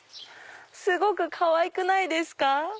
すごくかわいくないですか？